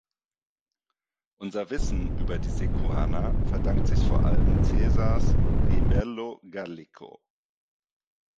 Unser Wissen über die Sequaner verdankt sich vor allem Caesars "De Bello Gallico".